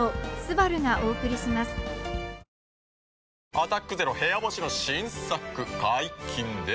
「アタックＺＥＲＯ部屋干し」の新作解禁です。